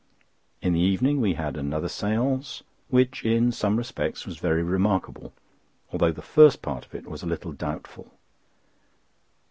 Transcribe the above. In the evening we had another séance, which, in some respects, was very remarkable, although the first part of it was a little doubtful.